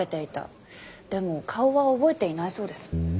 でも顔は覚えていないそうです。